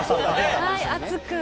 熱く。